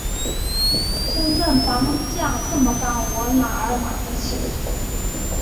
深圳房价这么高，我哪儿买得起？